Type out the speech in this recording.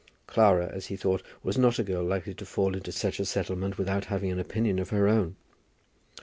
Clara, as he thought, was not a girl likely to fall into such a settlement without having an opinion of her own.